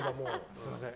すみません。